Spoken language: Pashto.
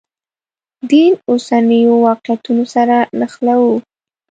دین اوسنیو واقعیتونو سره نښلوو.